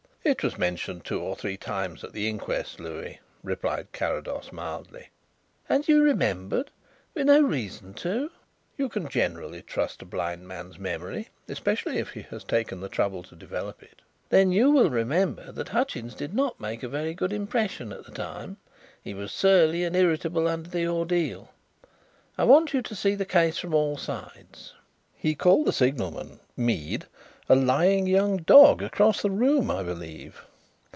"It was mentioned two or three times at the inquest, Louis," replied Carrados mildly. "And you remembered with no reason to?" "You can generally trust a blind man's memory, especially if he has taken the trouble to develop it." "Then you will remember that Hutchins did not make a very good impression at the time. He was surly and irritable under the ordeal. I want you to see the case from all sides." "He called the signalman Mead a 'lying young dog,' across the room, I believe.